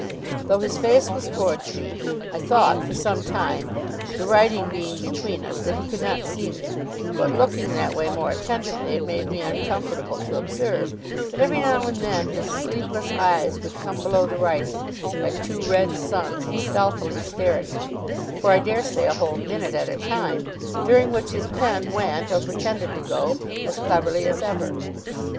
Though his face was towards me, I thought, for some time, the writing being between us, that he could not see me; but looking that way more attentively, it made me uncomfortable to observe that, every now and then, his sleepless eyes would come below the writing, like two red suns, and stealthily stare at me for I dare say a whole minute at a time, during which his pen went, or pretended to go, as cleverly as ever.